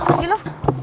om baik nino